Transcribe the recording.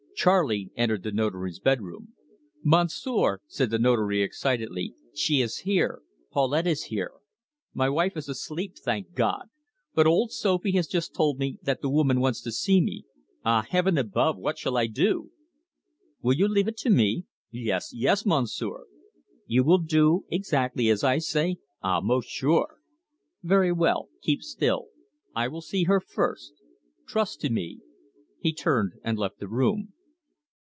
Charley entered the Notary's bedroom. "Monsieur," said the Notary excitedly, "she is here Paulette is here. My wife is asleep, thank God! but old Sophie has just told me that the woman asks to see me. Ah, Heaven above, what shall I do?" "Will you leave it to me?" "Yes, yes, Monsieur." "You will do exactly as I say?" "Ah, most sure." "Very well. Keep still. I will see her first. Trust to me." He turned and left the room.